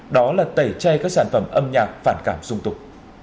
đó là tẩy chay các sản phẩm âm nhạc phản cảm dung tục